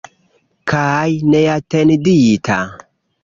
Kaj neatendita.